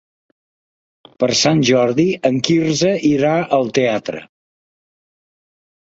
Per Sant Jordi en Quirze irà al teatre.